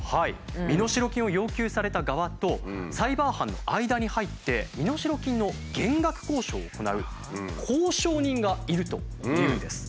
身代金を要求された側とサイバー犯の間に入って身代金の減額交渉を行う交渉人がいるというんです。